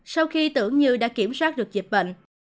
sau khi tưởng như đã kiểm soát được dịch bệnh